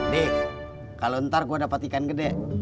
dek kalau ntar gue dapat ikan gede